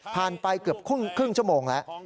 ไปเกือบครึ่งชั่วโมงแล้ว